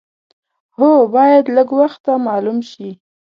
هو باید لږ وخته معلوم شي.